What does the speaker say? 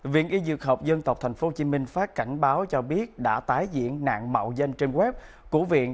viện y dược học dân tộc tp hcm phát cảnh báo cho biết đã tái diện nạn mạo danh trên web của viện